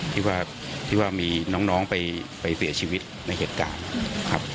ที่ว่ามีน้องไปเสียชีวิตในเหตุการณ์